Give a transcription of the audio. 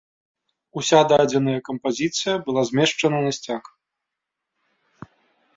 Уся дадзеная кампазіцыя была змешчана на сцяг.